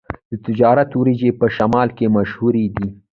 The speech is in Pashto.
د تخار وریجې په شمال کې مشهورې دي.